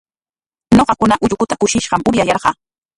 Ñuqakuna ullukuta kushishqam uryayarqaa.